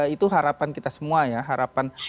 itu harapan kita semua ya harapan